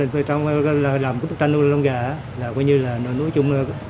câu quan trọng nhất trong làm bức tranh lông gà là nối nối chung